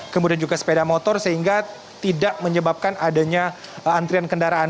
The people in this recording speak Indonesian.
kemudian juga sepeda motor sehingga tidak menyebabkan adanya antrian kendaraan